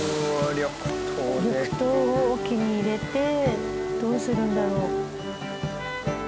緑豆を桶に入れてどうするんだろう？